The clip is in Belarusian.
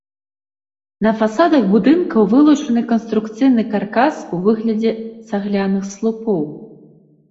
На фасадах будынка вылучаны канструкцыйны каркас у выглядзе цагляных слупоў.